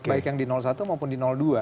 baik yang di satu maupun di dua